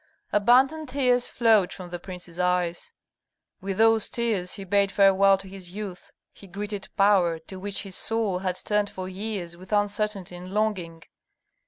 Abundant tears flowed from the prince's eyes. With those tears he bade farewell to his youth; he greeted power, to which his soul had turned for years with uncertainty and longing.